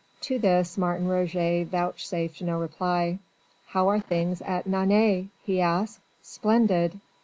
To this Martin Roget vouchsafed no reply. "How are things at Nantes?" he asked. "Splendid!